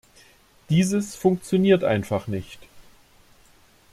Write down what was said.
Dieses funktioniert einfach nicht.